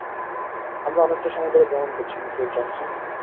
আমরা অনেকটা সময় ধরে ভ্রমণ করছি, মিসেস জনসন।